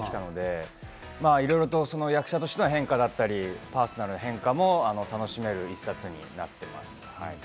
役者としての変化だったり、パーソナルな変化も楽しめる一冊になっています。